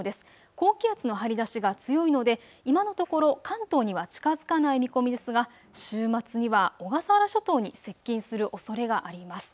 高気圧の張り出しが強いので今のところ関東には近づかない見込みですが週末には小笠原諸島に接近するおそれがあります。